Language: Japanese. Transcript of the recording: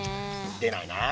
でないなあ。